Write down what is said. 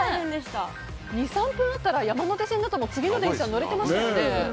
２３分あったら山手線だったら次の電車、乗れてましたよね。